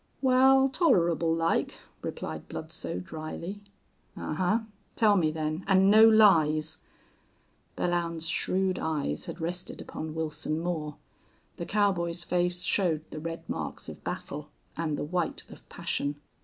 "Wal, tolerable like," replied Bludsoe, dryly. "Ahuh! Tell me, then an' no lies." Belllounds's shrewd eyes had rested upon Wilson Moore. The cowboy's face showed the red marks of battle and the white of passion.